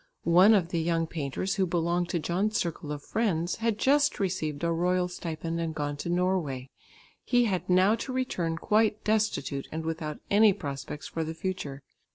One of the young painters who belonged to John's circle of friends had just received a royal stipend and gone to Norway. He had now to return quite destitute and without any prospects for the future.